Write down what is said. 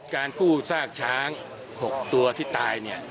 การกู้ซากช้าง๖ตัวที่ตาย